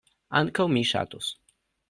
Ankaŭ mi ŝatus.